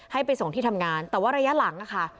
ให้ไปส่งที่ทำงานแต่ว่าระยะหลังนะคะ